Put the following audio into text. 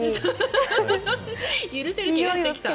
許せる気がしてきた。